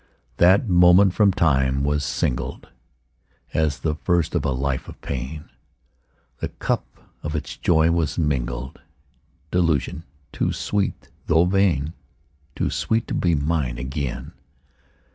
That moment from time was singled As the first of a life of pain; The cup of its joy was mingled Delusion too sweet though vain! Too sweet to be mine again.